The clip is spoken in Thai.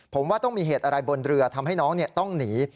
ผมว่าต้องมีเหตุอะไรบนเรือทำให้น้องต้องหนี